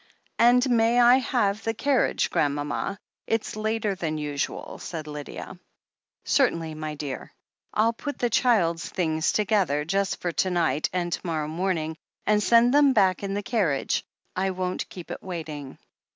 "And may I have the carriage, grandmama? It's later than usual," said Lydia. "Certainly, my dear." "I'll put the child's things together, just for to night and to morrow morning, and send them back in the carriage. I won't keep it waiting."